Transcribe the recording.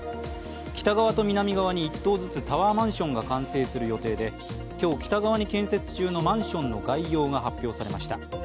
北側と南側に１棟ずつタワーマンションが完成する予定で、今日、北側に建設中のマンションの概要が発表されました。